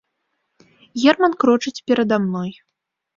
Герман крочыць перада мной.